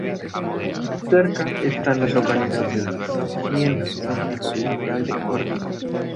Cerca están las localidades de San Feliz de Órbigo y Moral de Órbigo.